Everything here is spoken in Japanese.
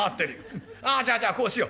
じゃあじゃあこうしよう。